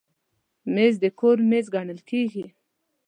مېز د کور مرکز ګڼل کېږي.